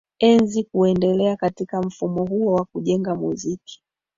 ezi kuendelea katika mfumo huu wa kujenga muziki